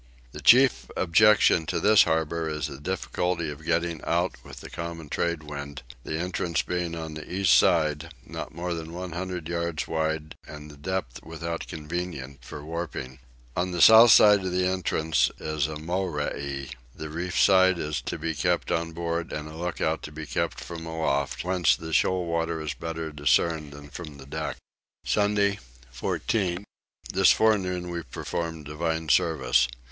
The chief objection to this harbour is the difficulty of getting out with the common tradewind, the entrance being on the east side, not more than one hundred yards wide and the depth without inconvenient for warping. On the south side of the entrance is a Morai: the reef side is to be kept on board and a lookout to be kept from aloft, whence the shoal water is better discerned than from the deck. Sunday 14. This forenoon we performed divine service.